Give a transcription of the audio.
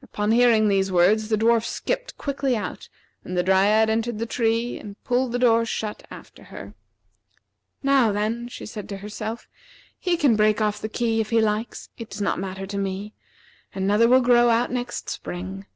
Upon hearing these words the dwarf skipped quickly out, and the Dryad entered the tree and pulled the door shut after her. "Now, then," she said to herself, "he can break off the key if he likes. It does not matter to me. Another will grow out next spring.